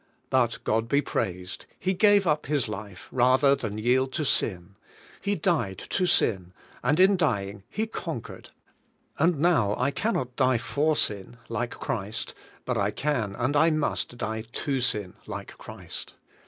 But God be praised. He gave up His life rather than yield to sin. He died to sin, and in d3nng He conquered. And now, I can not die for sin like Christ, but I can and I must die to sin like Christ.